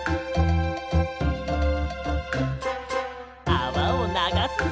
あわをながすぞ！